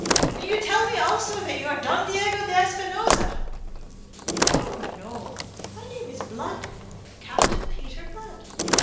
"Will you tell me also that you are Don Diego de Espinosa?" "Oh, no, my name is Blood Captain Peter Blood.